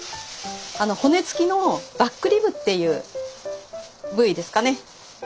骨付きのバックリブっていう部位ですかね。